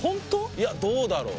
いやどうだろう？